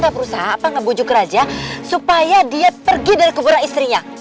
apa ngebujuk raja supaya dia pergi dari keburaan istrinya